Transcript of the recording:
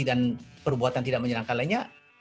dan perbuatan tidak menyenangkan lainnya